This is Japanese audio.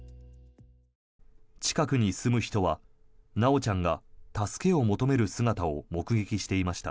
近くに住む人は修ちゃんが助けを求める姿を目撃していました。